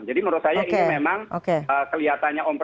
jadi menurut saya ini memang kelihatannya